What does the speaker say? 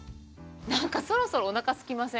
そろそろおなかすきません？